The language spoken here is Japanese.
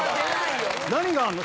何があるの？